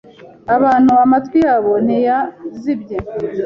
abantu amatwi yabo ntiyazbye